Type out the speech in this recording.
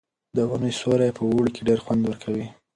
د ونو سیوری په اوړي کې ډېر خوند ورکوي.